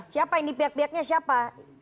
siapa ini pihak pihaknya siapa